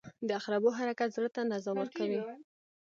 • د عقربو حرکت زړه ته نظم ورکوي.